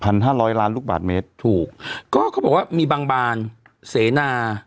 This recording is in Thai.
ห้าร้อยล้านลูกบาทเมตรถูกก็เขาบอกว่ามีบางบานเสนา